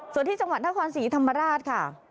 ส่วนที่จังหวัดนครศรีธรรมราชค่ะ